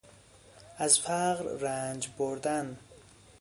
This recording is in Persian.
از فقر رنج بردن